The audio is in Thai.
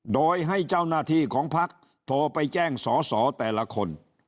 โดยให้เจ้าหน้าที่ของพักโทรไปแจ้งสอสอแต่ละคน